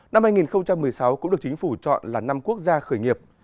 năm hai nghìn một mươi sáu cũng được chính phủ chọn là năm quốc gia khởi nghiệp